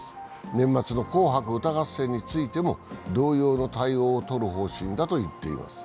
年末の「紅白歌合戦」についても同様の対応をとる方針だと言っています。